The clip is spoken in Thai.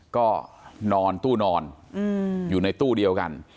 ก็นอนตู้นอนอยู่ในตู้เดียวกัน